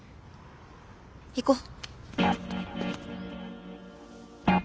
行こう。